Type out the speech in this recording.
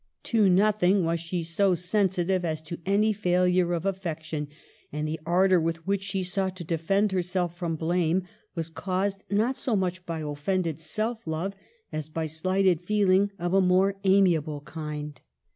To nothing was she so sensitive as to any failure of affection, and the ardor with which she sought to defend herself from blame was caused not so much by offended self love as by slighted feeling of a more amiable kind.